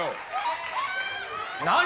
何⁉